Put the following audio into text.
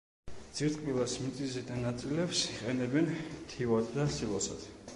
ძირტკბილას მიწისზედა ნაწილებს იყენებენ თივად და სილოსად.